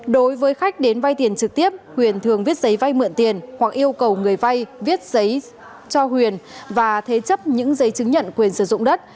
đối với khách đến vay tiền trực tiếp huyền thường viết giấy vay mượn tiền hoặc yêu cầu người vay viết giấy cho huyền và thế chấp những giấy chứng nhận quyền sử dụng đất